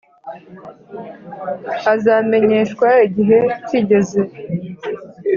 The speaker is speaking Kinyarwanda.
Azamenyeshwa igihe kigeze